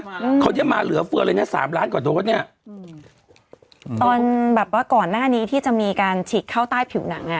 อืมเขาจะมาเหลือเฟือเลยเนี้ยสามล้านกว่าโดสเนี้ยอืมตอนแบบว่าก่อนหน้านี้ที่จะมีการฉีกเข้าใต้ผิวหนังอ่ะ